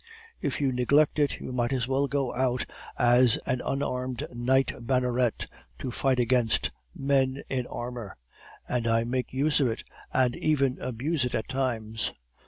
If you neglect it, you might as well go out as an unarmed knight banneret to fight against men in armor. And I make use of it, and even abuse it at times.